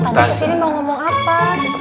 tanda kesini mau ngomong apa